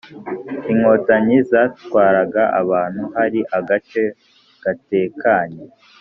Inkotanyi zatwaraga abantu ahari agace gatekanye